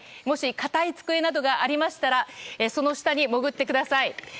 もし硬い机などがありましたらその下に潜ってください。